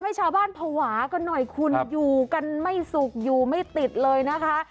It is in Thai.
ให้ชาวบ้านภาวะกันหน่อยคุณอยู่กันไม่สุขอยู่ไม่ติดเลยนะคะ